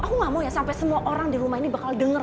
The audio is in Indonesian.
aku gak mau ya sampai semua orang di rumah ini bakal denger